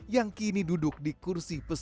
yang kini duduk di kursi pesisi